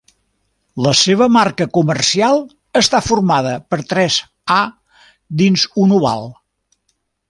La seva marca comercial està formada per tres A dins un oval.